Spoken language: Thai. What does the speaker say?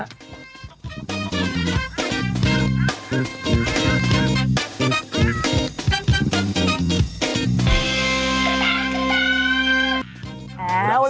เดี๋ยวกลับมากันฮะ